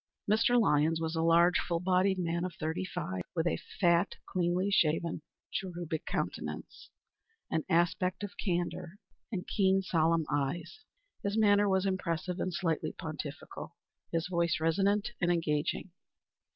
Mr. Lyons was a large, full bodied man of thirty five, with a fat, cleanly shaven, cherubic countenance, an aspect of candor, and keen, solemn eyes. His manner was impressive and slightly pontificial; his voice resonant and engaging.